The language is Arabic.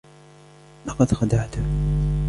لقد خدعتهُ.